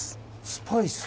「スパイス」？